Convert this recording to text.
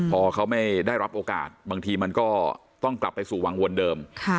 พอเขาไม่ได้รับโอกาสบางทีมันก็ต้องกลับไปสู่วังวนเดิม